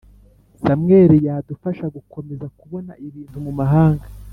Samweli yadufasha gukomeza kubona ibintu mumahanga